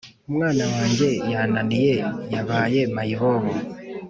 Umwana wanjye yananiye yabaye mayibobo